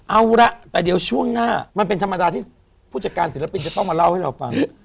เอาละแต่เดี๋ยวช่วงหน้ามันเป็นธรรมดาที่ผู้จัดการศิลปินจะต้องมาเล่าให้เราฟัง